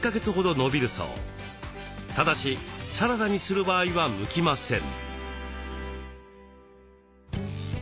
ただしサラダにする場合は向きません。